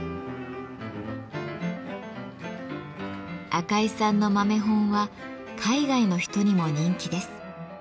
赤井さんの豆本は海外の人にも人気です。